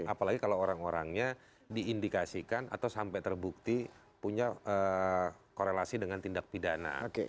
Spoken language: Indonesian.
apalagi kalau orang orangnya diindikasikan atau sampai terbukti punya korelasi dengan tindak pidana